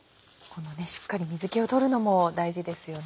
しっかり水気を取るのも大事ですよね。